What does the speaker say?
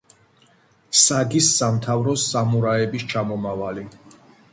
საგის სამთავროს სამურაების ჩამომავალი.